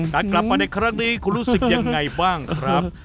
กลับมาในครั้งนี้คุณรู้สึกยังไงบ้างครับ